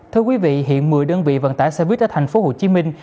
thưa quý vị hiện một mươi đơn vị vận tải xe buýt ở thành phố hồ chí minh